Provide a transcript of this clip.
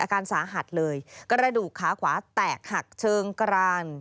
อาการสาหัสเลยกระดูกขาขวาแตกหักเชิงกราน